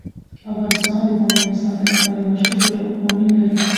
افغانستان د بامیان د ساتنې لپاره یو شمیر ګټور قوانین لري.